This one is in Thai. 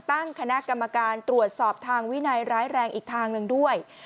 ตั้งคณะกรรมการตรวจสอบทางวินัยร้ายแรงอีกทางหนึ่งด้วย